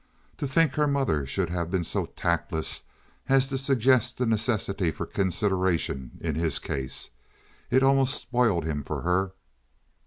To think her mother should have been so tactless as to suggest the necessity for consideration in his case! It almost spoiled him for her.